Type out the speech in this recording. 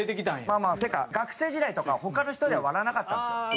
まあまあっていうか学生時代とか他の人では笑わなかったんですよ。